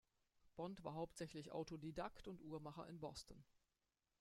Bond war hauptsächlich Autodidakt und Uhrmacher in Boston.